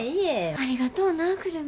ありがとうな久留美。